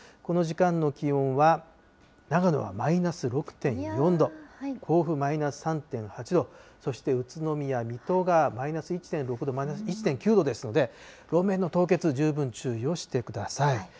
この時間の気温は長野はマイナス６．４度、甲府マイナス３．８度、そして、宇都宮、水戸がマイナス１．６度、マイナス１．９度ですので、路面の凍結、十分注意をしてください。